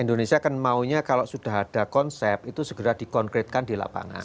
indonesia kan maunya kalau sudah ada konsep itu segera dikonkretkan di lapangan